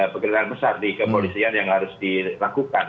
pekerjaan besar di kepolisian yang harus dilakukan